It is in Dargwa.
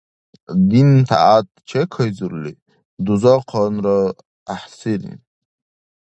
Дин-тӀягӀят чекайзурли дузахъанра гӀяхӀсири...